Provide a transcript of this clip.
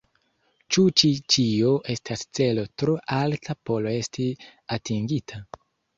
Ĉu ĉi ĉio estas celo tro alta por esti atingita?